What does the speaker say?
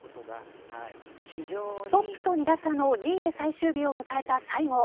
トップと２打差の２位で最終日を迎えた西郷。